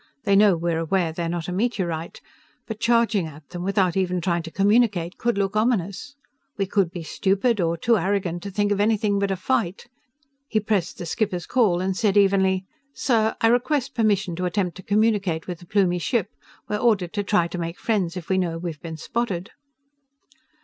They know we're aware they're not a meteorite. But charging at them without even trying to communicate could look ominous. We could be stupid, or too arrogant to think of anything but a fight." He pressed the skipper's call and said evenly: "Sir, I request permission to attempt to communicate with the Plumie ship. We're ordered to try to make friends if we know we've been spotted."